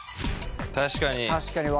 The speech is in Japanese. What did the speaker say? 確かに。